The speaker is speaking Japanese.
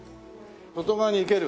外側に行ける？